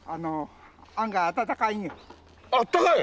あったかい？